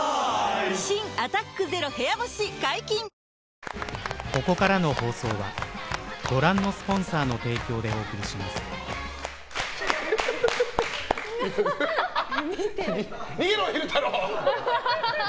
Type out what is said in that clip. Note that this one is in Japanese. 新「アタックＺＥＲＯ部屋干し」解禁‼逃げろ、昼太郎！